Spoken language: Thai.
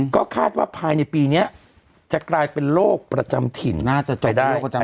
ก็คาดว่าภายในปีนี้จะกลายเป็นโรคประจำถิ่นน่าจะไปได้